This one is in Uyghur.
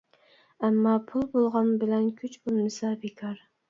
ئەمما پۇل بولغان بىلەن كۈچ بولمىسا بىكار.